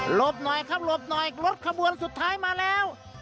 บหน่อยครับหลบหน่อยรถขบวนสุดท้ายมาแล้ว